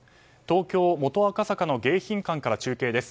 東京・元赤坂の迎賓館から中継です。